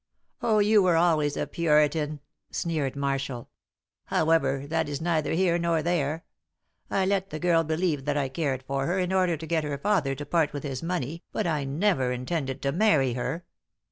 "Oh, you were always a Puritan," sneered Marshall. "However, that is neither here nor there. I let the girl believe that I cared for her in order to get her father to part with his money, but I never intended to marry her."